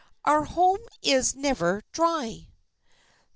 Our home is never dry."